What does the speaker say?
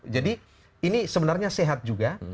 ini sebenarnya sehat juga